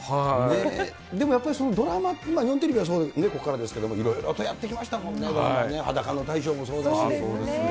でもやっぱり、そのドラマ、日本テレビはここからですけど、いろいろとやってきましたもんね、ドラマね。